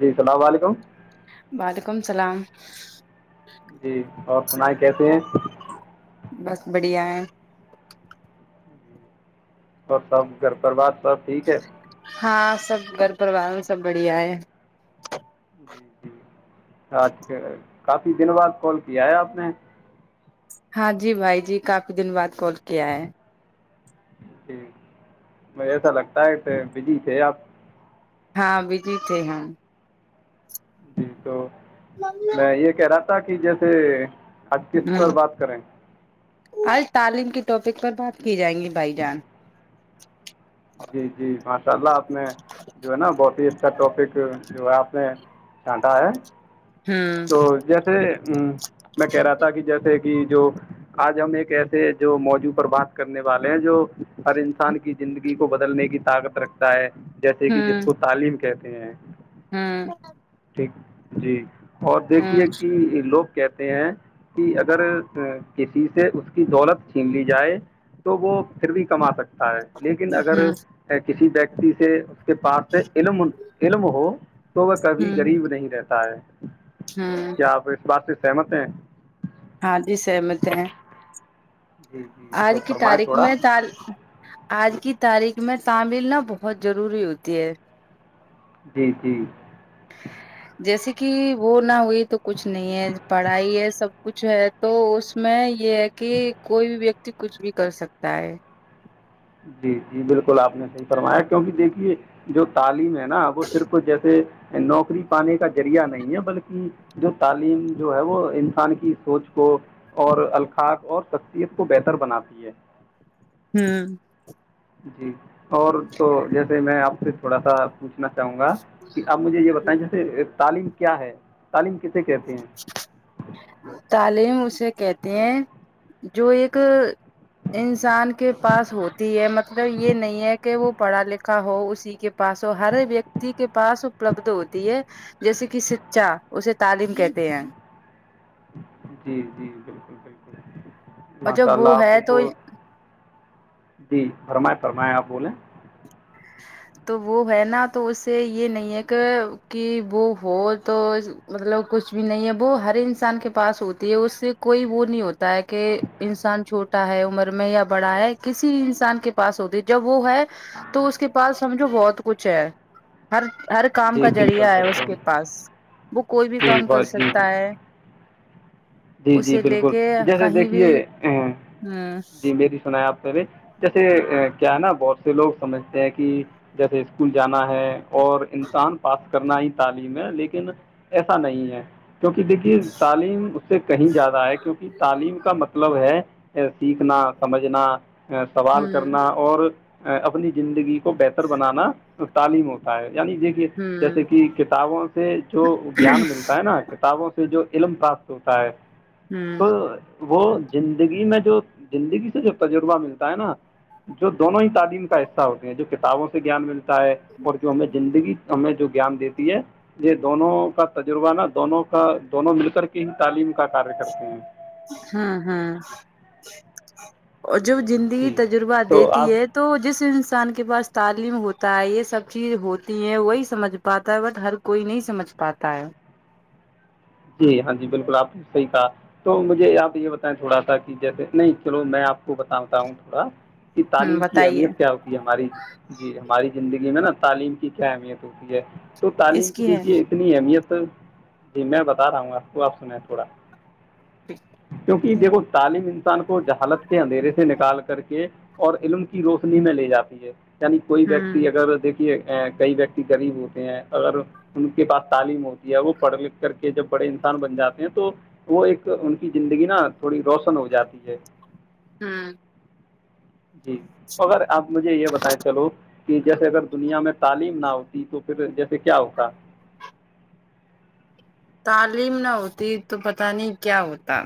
جی اللام علیکم ولیکم السلام جی اور سنائ کیسے ہیں [unintelligible] اور سب گھر پر بات سب ٹھیک ہے ہاں سب گھر پروار میں سب بڑھیا ہے ا کافی دن بعد کال کیا ہے آپ نے ہاں جی بھائی جی کافی دن بعد کال کیا ہے جٹ مج ایسا لگتا ہے کہ بزی تھے آپ ہاں بجی تھے ہم جی تو میں یہ کہہ رہا ت کہ جیسے آ کس ہ پر بات کریں آج تعلیم کی ٹاپک پر بات کی جائیں گی بھائی جان جی جی ماشاء اللہ آپ نے جو ہے نا بہت ہی اچھا ٹاپک جو ہے آپ نے سانٹا ہے ہوں تو جیسے ہوں میں کہہ رہا تھا کہ جیسے جو آج ہم ایک ایسے جو موضوع پر بات کرنے والے ہیں جو ہر انسان کی زندگی کو بدلنے کی طاقت رکھتا ہے جیسے کہ جس ہوں کو تعلیم کہ ا ہوں ٹ جی اور ہوں دیکھیے کہ لوگ کہتے ہیں کہ اگر کسی سے اس کی دولت چھین لی جائے تو وہ پھر بھی کما سکتا ہے لیکن اگر ہوں کسی دیک جیسے کے پاس سے علم علم ہو تو وہ کبھی ہوں غریب نہیں رہتا ہے ہوں کیا آپ اس بات سے سہمت ہیں ہاں جی سہمت ہیں جی جی آج تو کی فرمائیں تاریخ تھوڑا میں ت آج کی تاریخ میں تعمل نہ بہت ضروری ہوتی ہے جی جی جیسے کہ وہ نہ ہوئی تو کچھ نہیں ہے پڑھائی ہے سب کچھ ہے تو اس میں یہ ہے کہ کوئی بھی ویکتی کچھ بھی کر سکتا ہے جی جی بالکل آپ نے صحیح فرمایا کیونکہ دیکھیے جو تعلیم ہے نا وہ صرف جیسے نوکری پانے کا ذریعہ نہیں ہے بلکہ جو تعلیم جو ہے وہ انسان کی سوچ کو اور الخاق اور شخصیت کو بہتر بناتی ہے ہوں جی اور تو جیسے میں آپ سے تھوڑا سا پوچھنا چاہوں گا کہ آپ مجھے یہ بتائیں جیسے تعلیم کیا ہے تعلیم کسے کہتے ہیں تعلیم اسے کہتے ہیں جو ایک انسان کے پاس ہوتی ہے مطلب یہ نہیں ہے کہ وہ پڑھا لکھا ہو اسی کے پاس ہو ہر ویکتی کے پاس اپلبدھ ہوتی ہے جیسے کہ شکچا اسے تعلیم کہتے ہیں جی جی بالکل بالکل اور ماشاء جب وہ اللہ ہے آپ تو کو جی فرمائیں فرمائیں آپ بولیں تو وہ ہے نا تو اس سے یہ نہیں ہے کہ کہ وہ ہو تو مطلب کچھ بھی نہیں ہے وہ ہر انسان کے پاس ہوتی ہے اس سے کوئی وہ نہیں ہوتا ہے کہ انسان چھوٹا ہے عمر میں یا بڑا ہے کسی انسان کے پاس ہوتی ہے جب وہ ہے تو اس کے پاس سمجھو بہت کچھ ہے ہر ہر کام کا جی بالکل ذریعہ ہے اس بالکل کے پاس وہ کوئی بھی جی کام کر بہت جی بالکل سکتا ہے جی جی اسے لے بالکل کے جیسے کہیں بھی دیکھیے ہوں جی میری سنا ہے آپ جیسے کیا ہے نا بہت سے لوگ سمجھتے ہیں کہ جیسے اسکول جانا ہے اور انسان پاس کرنا ہی تعلیم ہے لیکن ایسا نہیں ہے کیونکہ دیکھیے تعلیم سے کہیں زیادہ ہے کیونکہ تعلیم کا مطلب ہے سیکھنا سمجھنا سوال ہوں کرنا اور اپنی زندگی کو بہتر بنانا تعلیم ہوتا ہے یعنی دیکے جیسے ہوں کہ کتابوں سے جو گیان ملتا ہے نا کتابوں سے جو علم پاک توتا ہے ہوں تو وہ زندگی میں جو زندگی سے جو تجربہ ملتا ہے نا جو دونوں ہی تعلیم کا حصہ ہوتے ہیں جو کتابوں سے گیان ملتا ہے اور جو ہمیں زندگی ہمیں جو گیان دیتی ہے یہ دونوں کا تجربہ نا دونوں کا دونوں مل کر کے ہی تعلیم کا کاریہ کرتے ہیں ہاں ہاں اور جب زندگی جی تجربہ تو دیتی آپ ہے تو جس انسان کے پاس تعلیم ہوتا ہے یہ سب چیز ہوتی ہے وہی سمجھ پاتا ہے بٹ ہر کوئی نہیں سمجھ پاتا ہے جی ہاں جی بالکل آپ نے صحیح کہا تو مجھے آپ یہ بتائیں تھوڑا سا کہ جیسے نہیں چلو میں آپ کو بتاتا ہوں تھوڑا ہوں تعلیم کی بتائیے اہمیت کیا ہوتی ہے ہماری جی ہماری زندگی میں نا تعلیم کی کیا اہمیت ہوتی ہے تو اس تعلیم کی ہے دیکھیے اتنی اہمیت جی میں بتا بتا رہا ہوں آپ کو آپ سنا تھوڑا ٹھ کیونکہ دیکھو تعلیم انسان کو جہالت کے اندھیرے سے نکال کر کے اور علم کی روشنی میں لے جاتی ہے یعنی کوئی ہوں ویکتی اگر دیکھیے کئی ویکتی غریب ہوتے ہیں اگر ان کے پاس تعلیم ہوتی ہے وہ پڑھ لکھ کر کہ جب بڑے انسان بن جاتے ہیں تو وہ ایک ان کی زندگی نا تھوڑی روشن ہو جاتی ہے ہاں جی اگر آپ مجھے یہ بتائیں چلو کہ جیسے اگر دنیا میں تعلیم نہ ہوتی تو پھر جیسے کیا ہوتا تعلیم نہ ہوتی تو پت نہیں کیا ہوتا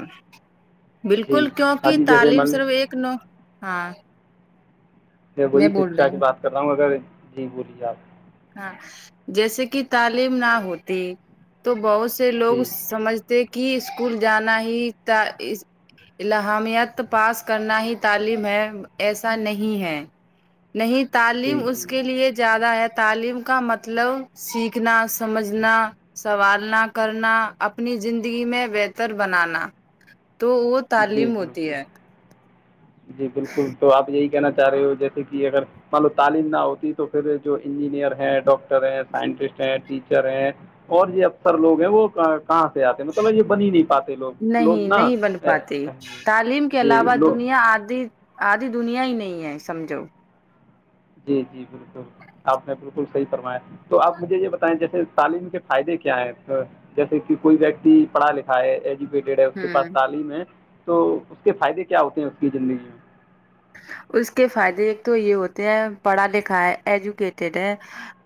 جی بالکل ہاں کیوںکہ جی جیسے تعلیم مان لیں صرف ایک نو ہاں میں وہی شکچھا کی بات کر رہا ہوں اگر جی بولیے آپ ہاں جیسے کہ تعلیم نہ ہوتی تو بہت لوگ جی سمجھتے کہ کہ اسکول جانا ہی احامیت پاس کرنا ہی تعلیم ہے ایسا نہیں ہے نہیں تعلیم جی اس جی کے لیے زیادہ ہے تعلیم کا مطلب سیکھنا سمجھنا سنوالنا کرنا اپنی زندگی میں بہتر بنانا تو وہ جی تعلیم ہوتی بالکل ہے جی بالکل تو آپ یہی کہنااہ رہے ہو جیسے کہ اگر مان لو تعلیم نہ ہوتی تو پھر جو انجینئر ہے ڈاکٹر ہیں سائنٹسٹ ہیں ٹیچر ہیں اور یہ افسر لوگ ہیں وہ کہاں سے آتے مطلب یہ بن نہیں پاتے لوگ لوگ نا پات جی تعلیم کے جی علاوہ لوگ دنیا آدی سادھی دنیا ہی نہیں ہے سمجھو جی جی بالکل آپ نے بالکل صحیح فرمایا تھا تو آپ مجھے یہ بتائیں جیسے تعلیم کے فائدے کیا ہیں جیسے کہ کوئی ویکتی پڑھا لکھا ہے وڈ ہے اس کے پاس ہوں تعلیم ہے تو اس کے فائدے کیا ہوتے ہیں اس کی زندگی میں اس کے فائدے ایک تو یہ ہوتے ہیں پڑھا لکھا ہے ایجوکیٹیڈ ہے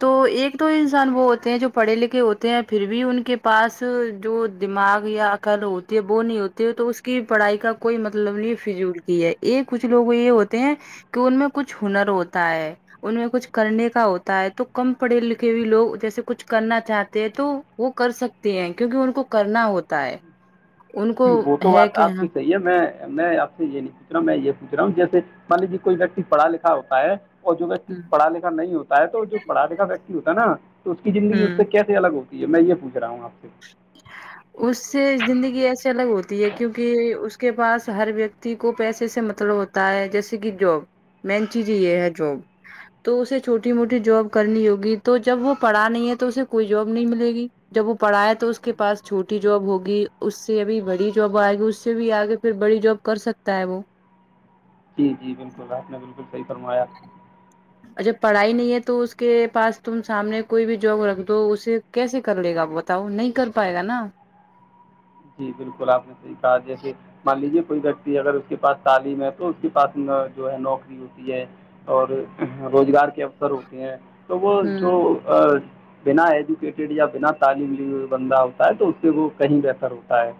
تو ایک تو انسان وہ ہوتے ہیں جو پڑھے لکھے ہوتے ہیں پھر بھی ان کے پاس جو دماغ یا عقل ہوتی ہے وہ نہیں ہوتی ہے تو اس کی پڑھائی کا کوئی مطلب نہیں فضولتی ہے یہ کچھ لوگ یہ ہوتے ہیں کہ ان میں کچھ ہنر ہوتا ہے ان میں کچھ کرنے کا ہوتا ہے تو کم پڑھے لکھے ہو لوگ جیسے کچھ کرنا چاہتے ہیں تو وہ کر سکتے ہیں کیونکہ ان کو کرنا ہوتا ہے ان کو جی وہ تو ہے بات کہ آپ ہاں کی صحیح ہے میں میں آپ سے یہ نہیں پوچھ رہا میں یہ رہا ہوں جیسے مان لیجیے کوئی ویکتی پڑھا لکھا ہوتا ہے اور جو ویکتی ہ پڑھ لکھا نہیں ہوتا ہے تو جو پڑا لکھا ویکتی ہوتا ہے نا تو اس کی زندگی اس ہوں سے کیسے الگ ہو ج میں یہ پوچ رہا ہوں آپ سے اس سے زندگی ایسے الگ ہوتی ہے کیونکہ اس کے پاس ہر ویکتی کو پیسے سے مطلب ہوتا ہے جیسے کہ جاب مین چیز یہ ہے جاب تو اسے چھوٹی جی موٹی جاب کرنی ہوگی تو جب وہ پڑھا نہیں ہے تو اسے کوئی جاب نہیں ملے گی جب وہ پڑھایا تو اس کے پاس چھوٹی جاب ہوگی اس سے ابھی بڑی جاب آئے گی اس سے بھی آگے پھر بڑی جاب کر سکتا ہے وہ جی جی بالکل آپ نے بالکل کی فرمایا اچھا پڑھائی نہیں ہے تو اس کے پاس تم سامنے کوئی بھی جاب رکھ دو اسے کیسے کر لے گاپ بتاؤ نہیں کر پائے گا نا جی بالکل آپ نے صحیح کہا جیسے مان لیجیے کوئی ویکتی اگر اس کے پاس تعلیم ہے تو اس کے پاس جو ہے نوکری ہوتی ہے اور روزگار کے اوسر ہوتے ہیں تو وہ جو ہوں بنا ایجوکیٹڈ یا بنا تعلیم لیے ہوئی بندہ ہوتا ہے تو اس سے وہ کہیں بہتر ہو تاائ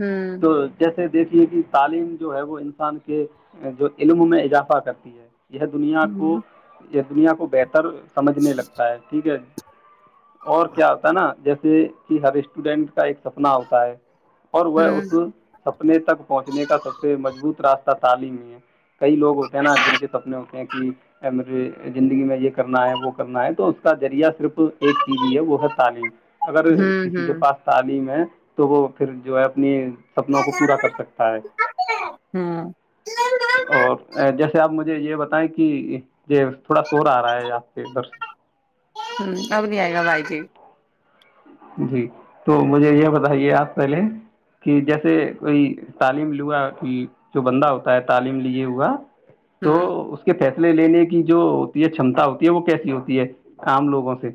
ہوں تو جیسے دیکھ کہ تعلیم جو ہے وہ انسان کے جو علم میں اضافہ کرتی ہے یہ دنیا کو ہوں اس دنیا کو بہتر سمجھنے لگتا ہے ٹھیک ہے اور کیا ہوتا ہے نا جیسے کہ ہر اسٹوڈنٹ کا ایک سپنا ہوتا سائے اور وہ اس ہوں سپنے تک پہنچنے کا سب سے مضبوط راستہ تعلیم ہی کئی لوگ ہوتے ہیں نا جنے س اپنے ہوتے ہیں کہ زندگی میں یہ کرنا ہے وہ کرنا ہے تو اس کا ذریعہ صرف تو ایک چیز ہی ہے وہ ہے تعلیم اگر ہوں کسی کے ہوں پاس تعلیم ہے تو وہ پھر جو ہے اپنی سپنوں کو پورا کر سکتا ہے ہوں اور جیسے آپ مجھے یہ بتائیں کہ ج تھوڑا سور آ رہا ہے آاں سے ادھر سے ہوں اب گا بھائی ج جی تو مجھے یہ بتائیے آپ پہلے کہ جیسے کوئی تعلیم لا جو بندہ ہوتا ہے تعلیم لیے ہوا تو ہوں اس کے پیسے لے لینے کی جو ہوتی ہے چمتا ہوتی ہے وہ کیسی ہوتی ہے آام لوگوں سے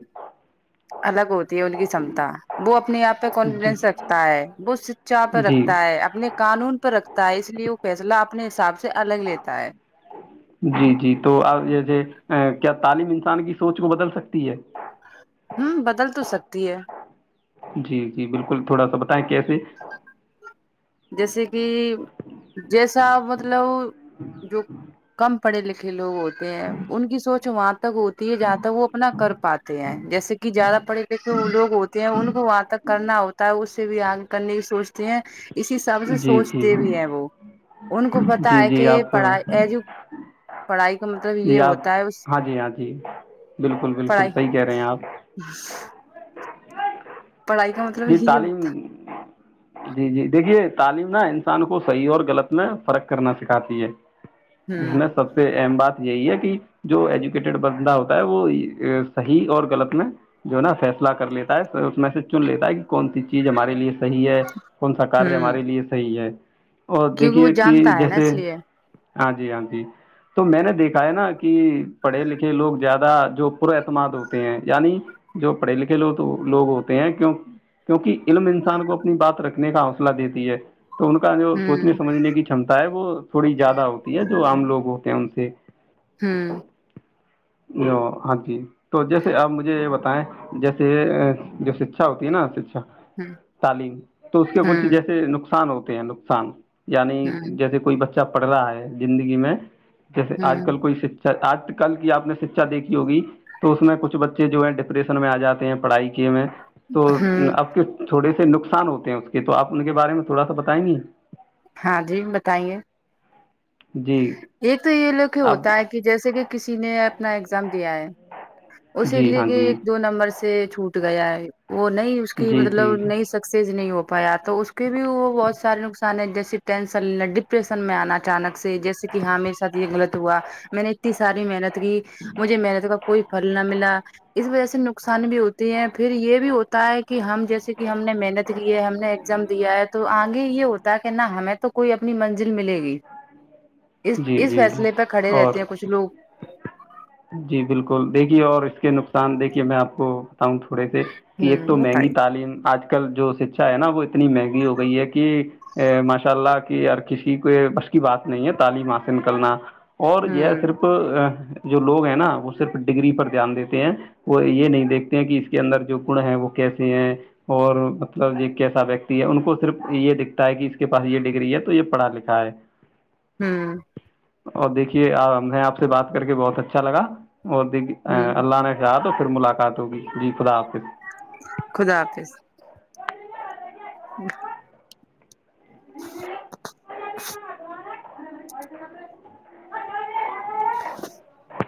اللہگوت ان کی کمتا وہ اپنے آپ پہ جی کانفیڈینس رکھتا ہے وہ چاہ پ جی رکھتا ہے اپنے قانون پر رکھتا ہے اس لیے وہ فیصلہ اپنے حساب سے الگ لیتا ہے جی جی تو آ یہ جو کیا تعلیم انسان کی سوچ کو بدل سکتی ہے ہوں بدل تو سکتی ہے جی جی بالکل تھوڑا سا بتائیں کیسے جیسے کہ جیس سا مطلب ہ ہ پڑھ لکھے لوگ ہیں ان کی سوچ وہاں ہوتی ہے جہاں تک وہ اپنا کر پاتے ہیں جیسے کہ زیادہ پڑھے لکھے وہ لوگ ہوتے ہیں ان کو وہاں تک کرنا ہوتا ہے اس سے بھی آگ کرنے کی سوچتے ہیں اس حساب سے جی جی سوچتے بھی ہیں وہ ان کو پتا جی ہے جی کہ آپ پڑھائی ایجو پڑھائی کا مطلب جی یہ آپ ہوتا ہے اس ہاں جی ہاں جی بالکل بالکل پڑھائی صحیح کہہ رہے ہیں آپ پڑھائی کا مطلب جی یہ ہوتا تعلیم جی جی دیکھیے تعلیم نا انسان کو صحیح اور غلط میں فرق کرنا سکھاتی ہے اس ہوں میں سب سے اہم بات یہی ہے کہ جو ایجوکیٹڈ بندہ ہوتا ہے وہ صحیح اور غلط میں جو ہے نا فیصلہ کر لیتا ہے اس میں سے کیوں لیتا ہے گا کون سی چیز ہمارے لیے صحی ہے کون سا کاریہ ہوں ہمارے لیے صحیح ہے اور کیونکہ وہ دیکھیے کہ جانتا ہے نا جیسے اس لیے ہاں جی ہاں جی تو میں نے دیکھا ہے نا کہ پڑھے لکھے لوگ زیادہ جو پر اعتماد ہوتے ہیں یعنی جو پڑھے لکھے لوگ ہو ہیں کی کیونکہ علم انسان کو اپنی بات رکھنے کا حوصلہ دیتی ہے تو ان کا جو سوچنے ہوں سمجھنے کی چھمتا ہے وہ تھوڑی زیادہ ہوتی ہے جو آام لوگ ہوتے ہیں ان سے ہوں ا ہاں جی تو جیسے آپ مجھے ب ہے جیسے جو شکچھا ہوتی ہے نا شا اچھ ہ تعلیم تو اس کے کچھ ہوں جیسے نقصان ہوتا ہیں نقصان یعنی ہ جیسے کوئی بچہ اا پڑ رہا ہے زندگی میں جیسے ہ آج کل کوئی آج کل کی آپ نے شکھا دیکھی ہوگی تو اس میں کچھ بچے جو ہے ڈپریشن میں آ جاتے ہیں پڑھائی میں تو ہوں آپ کے تھوڑے سے نقصان ہوتے ہیں اس کے تو آپ ان کے بارے میں تھوڑا سا بتائیں گے ہاں جی بتائیے جی ایک تو یہ لوگ کہ اب ہوتا ہے کہ جیسے کہ کسی نے اپنا ایگزام دیا ہے اسے جی لے ہاں کے جی ایک دو نمبر سے سے چھوٹ گیا ہے وہ نہیں اس کی جی مطلب جی جی نئی سکسیز نہیں ہو پایا تو اس کے بھی وہ بہت سارے نقصان ہیں جیس ٹینشن ڈپریشن میں آنا اچانک سے جیسے کہ ہاں میرے سات یہ غلط ہوا میں نے اتنی ساری محنت گ مجھے محنت کا کوئی پھل نہ ملا اس وجہ سے نقصان بھی ہوتی ہے پھر یہ بھی ہوتا ہے کہ ہم جیسے کہ ہم نے محنت کی ہے ہم نے ایگزام دیا ہے تو آگے یہ ہوتا ہے کہ نا ہمیں تو کوئی اپنی منزل ملے گی اس جی اس جی فیصلے پہ کھڑے اور رہتے ہیں کچھ لوگ جی بالکل دیکھیے اور اس کے نقصان دیکھیے کہ میں آپ کو ہوں تھوڑے سے کہ ایک تو ہوں مہنگی بتائیے۔ تعلیم آج آج کل جو شکھا ہے نا وہ اتنی مہنگی ہو گئی ہے کہ ماشاء اللہ کی کسی کو بش کی بات نہیں ہے تعلیم حاصل کرنا اور یہ ہوں صرف جو لوگ ہیں نا وہ صرف ڈگری پر دھیان دیتے ہیں وہ یہ نہیں دیکھتے ہیں کہ اس کے اندر جو گن ہیں وہ کیسے ہیں اور مطلب یہ کیسا ویکتی ہے ان کو صرف یہ دکھتا ہے کہ اس کے پاس یہ ڈگری ہے تو یہ پڑھا لکھا ہے ہاں اور دیکھیے آ نے آپ سے بات کر کے بہت تچ الگا وہ ہوں اللہ نے شا تو ملاقات ہوگی جی خدا حافظ خدا جی [unintelligible] [unintelligible]